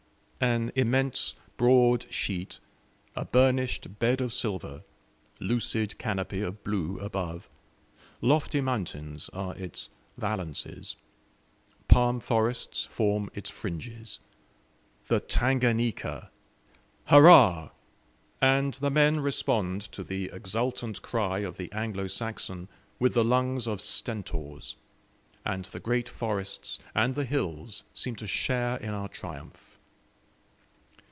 An immense broad sheet, a burnished bed of silver lucid canopy of blue above lofty mountains are its valances, palm forests form its fringes! The Tanganika! Hurrah! and the men respond to the exultant cry of the Anglo Saxon with the lungs of Stentors, and the great forests and the hills seem to share in our triumph.